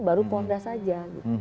baru porda saja